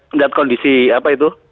melihat kondisi apa itu